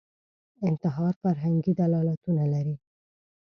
انتحار فرهنګي دلالتونه لري